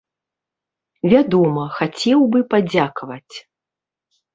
Вядома, хацеў бы падзякаваць.